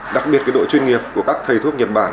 đặc biệt độ chuyên nghiệp của các thầy thuốc nhật bản